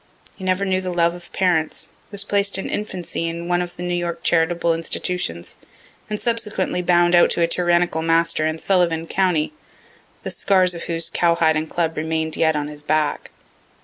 He never knew the love of parents, was placed in infancy in one of the New York charitable institutions, and subsequently bound out to a tyrannical master in Sullivan county, (the scars of whose cowhide and club remain'd yet on his back.)